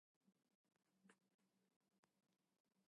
The course led to the degree of Bachelor of Science.